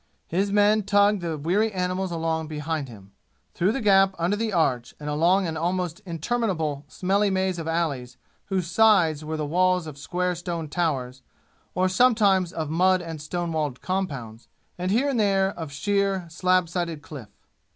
His men tugged the weary animals along behind him, through the gap under the arch and along an almost interminable, smelly maze of alleys whose sides were the walls of square stone towers, or sometimes of mud and stone walled compounds, and here and there of sheer, slab sided cliff.